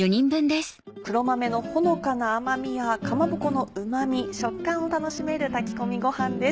黒豆のほのかな甘みやかまぼこのうま味食感を楽しめる炊き込みごはんです。